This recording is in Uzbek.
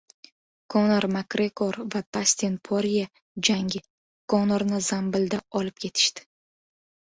Konor Makrekor va Dastin Porye jangi: Konorni zambilda olib ketishdi